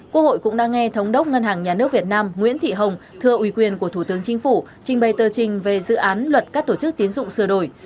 quốc hội cũng đã nghe thống đốc ngân hàng nhà nước việt nam nguyễn thị hồng thưa ủy quyền của thủ tướng chính phủ trình bày tờ trình về dự án luật các tổ chức tiến dụng sửa đổi